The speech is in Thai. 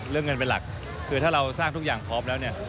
เรื่องเงินเป็นหลักคือถ้าเราสร้างทุกอย่างพร้อมแล้วเนี่ย